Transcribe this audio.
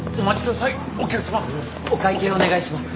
お会計お願いします。